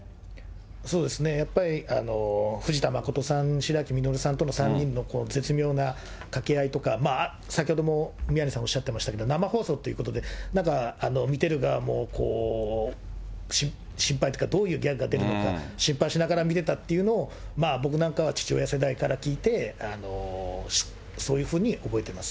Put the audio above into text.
そうですね、やっぱり藤田まことさん、しらきみのるさんとの３人の絶妙なかけ合いとか、先ほども宮根さん、おっしゃってましたけど、生放送ということで、見てる側も心配っていうか、どういうギャグが出るのか、心配しながら見てたっていうのを、僕なんかは父親世代から聞いて、そういうふうに覚えてます。